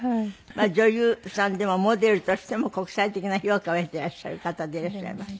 女優さんでもモデルとしても国際的な評価を得ていらっしゃる方でいらっしゃいます。